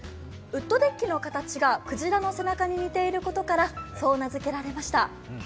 ウッドデッキの形がくじらの背中に似ていることからそう名づけられました。